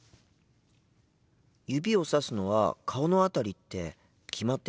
指をさすのは顔の辺りって決まっているんですか？